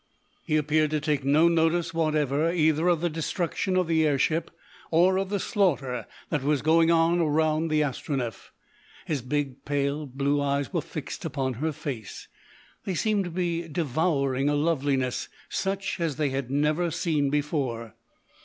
He appeared to take no notice whatever either of the destruction of the air ship or of the slaughter that was going on around the Astronef. His big, pale blue eyes were fixed upon her face. They seemed to be devouring a loveliness such as they had never seen before.